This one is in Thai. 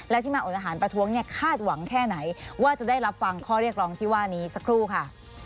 และที่มาอดอาหารประท้วงเนี่ยคาดหวังแค่ไหนว่าจะได้รับฟังข้อเรียกร้องที่ว่านี้สักครู่ค่ะ